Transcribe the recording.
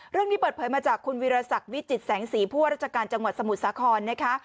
เรื่องนี้เปิดเผยมาจากคุณวิรสักวิจิตแสงสีผู้ว่าราชการจังหวัดสมุทรสาครนะคะ